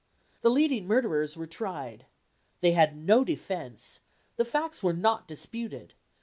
The leading murderers were tried. They had no defence. The facts were not disputed.